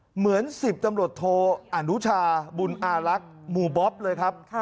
เหมือน๑๐ตำรวจโทอนุชาบุญอารักษ์หมู่บ๊อบเลยครับ